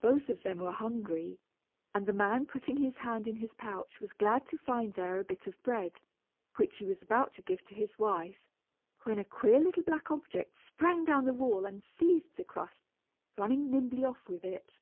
Both of them were hungry, and the man putting his hand in his pouch was glad to find there a bit of bread, which he was about to give to his wife, when a queer little black object sprang down the wall and seized the crust, running nimbly off with it.